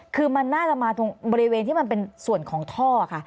คือมันน่าจะมาตรงบริเวณที่มันเป็นส่วนของท่อค่ะ